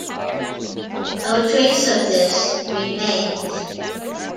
No trace of this remains.